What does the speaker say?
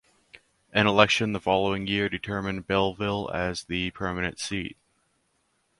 An election the following year determined Belleville as the permanent seat.